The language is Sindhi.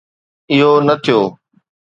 اهو نه ٿيو.